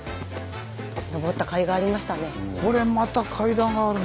上ったかいがありましたね。